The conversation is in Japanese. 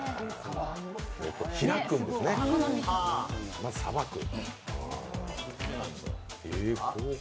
開くんですね、まずさばく。